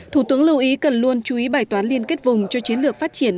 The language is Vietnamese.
thủ tướng lưu ý cần luôn chú ý bài toán liên kết vùng cho chiến lược phát triển